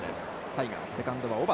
タイガース、セカンドは小幡。